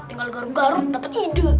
tinggal garuk garuk dapat ide